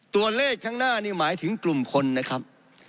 ตัวเลขข้างหน้านี่หมายถึงกลุ่มคนนะครับ